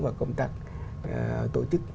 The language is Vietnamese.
và công tác tổ chức